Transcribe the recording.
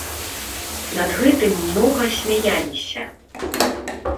Над гэтым многа смяяліся.